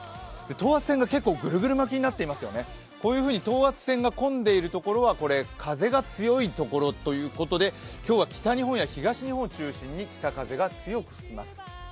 等圧線が結構グルグル巻きになっていますよね、こういうふうに等圧線が混んでいるところは風が強いということで今日は北日本は東日本を中心に強い風が吹きます。